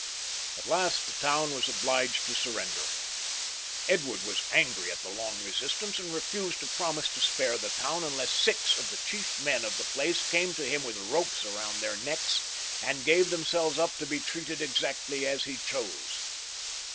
At last the town was obliged to surrender. Edward was angry at the long resistance, and reftised to promise to spare the town unless six of the chief men of the place came to him with ropes round their necks, and gave them selves up to be treated exactly as he chose.